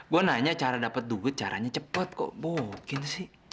gue nanya cara dapet duit caranya cepet kok bokeh sih